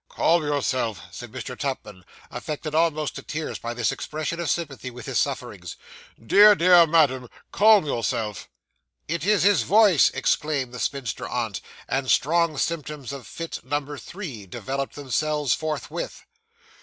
'Calm yourself,' said Mr. Tupman, affected almost to tears by this expression of sympathy with his sufferings. 'Dear, dear madam, calm yourself.' 'It is his voice!' exclaimed the spinster aunt; and strong symptoms of fit number three developed themselves forthwith.